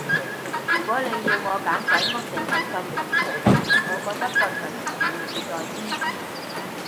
如果你要我揀鬼屋定係瞓墳場，我覺得瞓墳場會自在啲